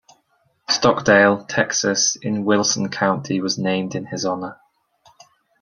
Stockdale, Texas, in Wilson County was named in his honor.